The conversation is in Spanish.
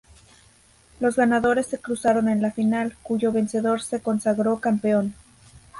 Los ganadores se cruzaron en la final, cuyo vencedor se consagró campeón.